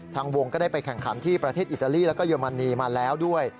ทางวงก็ได้ไปแข่งขันที่ประเทศอิตาลีแล้วก็เยอรมนีมาแล้วด้วย